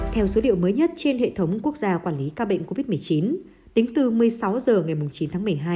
theo số liệu mới nhất trên hệ thống quốc gia quản lý ca bệnh covid một mươi chín tính từ một mươi sáu h ngày chín tháng một mươi hai